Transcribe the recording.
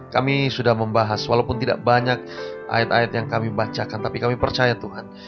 kami sudah membahas walaupun tidak banyak ayat ayat yang kami bacakan tapi kami percaya tuhan